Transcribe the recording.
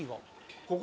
ここ？